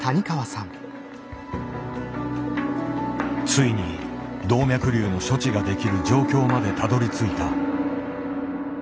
ついに動脈瘤の処置ができる状況までたどりついた。